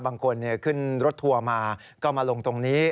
บางคนขึ้นรถทัวร์มาก็มาลงตรงนี้